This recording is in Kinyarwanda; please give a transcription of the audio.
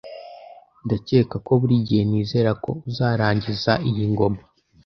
Ndakeka ko buri gihe nizera ko uzarangiza iyi ngoma.